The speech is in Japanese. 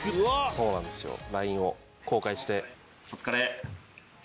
「そうなんですよＬＩＮＥを公開して」お疲れ。